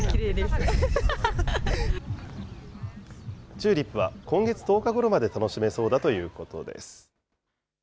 チューリップは、今月１０日ごろまで楽しめそうだということです。